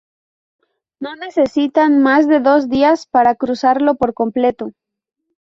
No necesitan más de dos días para cruzarlo por completo.